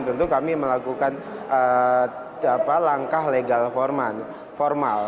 tentu kami melakukan langkah legal formal